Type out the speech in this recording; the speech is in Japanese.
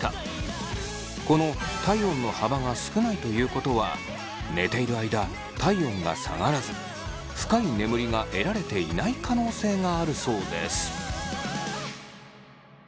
この体温の幅が少ないということは寝ている間体温が下がらず深い眠りが得られていない可能性があるそうです。